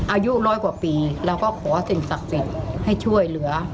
อายุร้อยกว่าปีเราก็ขอสิ่งศักดิ์สิทธิ์ให้ช่วยเหลือ